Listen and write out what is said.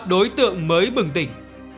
đối tượng mới bừng tỉnh